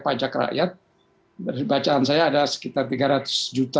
pajak rakyat dari bacaan saya ada sekitar tiga ratus juta pond serling yang digunakan untuk memberi mek biaya